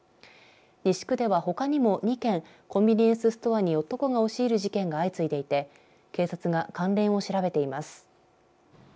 西区ではほかでも２件コンビニエンスストアに男が押し入る事件が相次いでいて警察が関連を調べています。